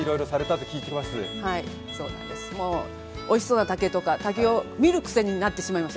はい、おいしそうな竹とか、竹を見る癖になってしまいました。